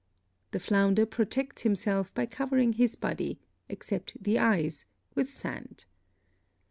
The flounder protects himself by covering his body, except the eyes, with sand.